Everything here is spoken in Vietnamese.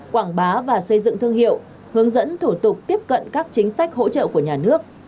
quảng bá và xây dựng thương hiệu hướng dẫn thủ tục tiếp cận các chính sách hỗ trợ của nhà nước